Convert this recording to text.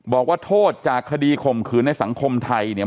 บอกว่าโทษจากคดีคมคืนในสังคมไทย